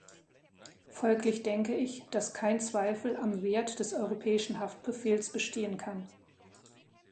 Folglich denke ich, dass kein Zweifel am Wert des Europäischen Haftbefehls bestehen kann.